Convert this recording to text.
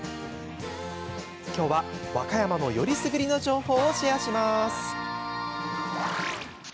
きょうは、和歌山のよりすぐりの情報をシェアします。